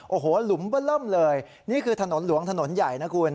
โอ้โหหลุมเบอร์เริ่มเลยนี่คือถนนหลวงถนนใหญ่นะคุณ